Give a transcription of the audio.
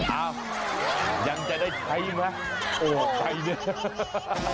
อ้าวยังจะได้ใช้ไหมโอ้ใครเนี่ย